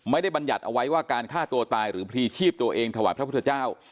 บรรยัติเอาไว้ว่าการฆ่าตัวตายหรือพลีชีพตัวเองถวายพระพุทธเจ้า